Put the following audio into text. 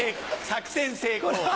作戦成功。